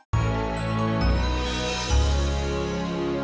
jangan lupa subscribe